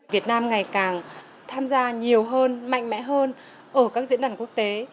việt nam ngày càng tham gia nhiều hơn mạnh mẽ hơn ở các diễn đàn quốc tế